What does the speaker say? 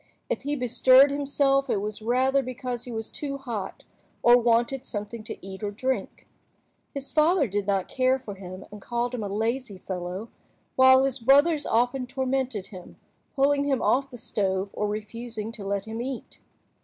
If he bestirred himself, it was rather because he was too hot, or wanted something to eat or drink. His father did not care for him, and called him a lazy fellow, while his brothers often tormented him, pulling him off the stove or refusing to let him eat.